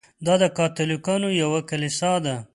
دا د کاتولیکانو یوه کلیسا ده.